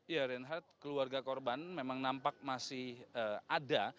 ya reinhardt keluarga korban memang nampak masih ada